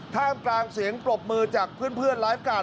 ท่ามกลางเสียงปรบมือจากเพื่อนไลฟ์การ์